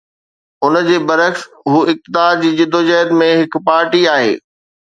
ان جي برعڪس، هو اقتدار جي جدوجهد ۾ هڪ پارٽي آهي.